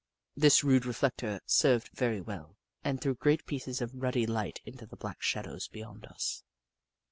This rude reflector served very well, and threw great pieces of ruddy light into the black shadows beyond us.